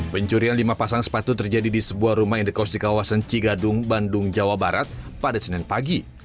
pencurian lima pasang sepatu terjadi di sebuah rumah indekos di kawasan cigadung bandung jawa barat pada senin pagi